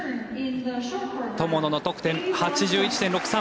友野の得点、８１．６３